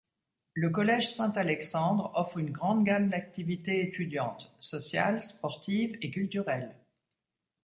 Le Collège Saint-Alexandre offre une grande gamme d'activités étudiantes: sociales, sportives et culturelles.